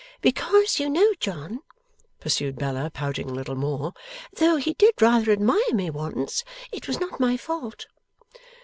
'Because, you know, John,' pursued Bella, pouting a little more, 'though he did rather admire me once, it was not my fault.